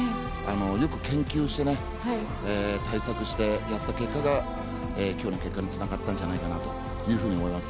よく研究して、対策してやった結果が今日の結果につながったんじゃないかなと思います。